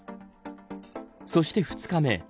そして２日目。